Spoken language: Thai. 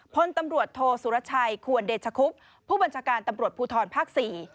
พลตำรวจโทสุรชัยควรเดชคุ๊ปผู้บรรชการดภูทรภภศรี